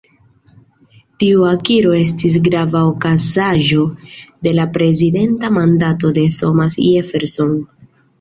Tiu akiro estis grava okazaĵo de la prezidenta mandato de Thomas Jefferson.